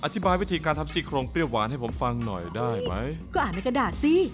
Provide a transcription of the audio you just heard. อธิบายวิธีการทำซี่โครงเปรี้ยวหวานให้ผมฟังหน่อยได้ไหมก็อ่านในกระดาษสิ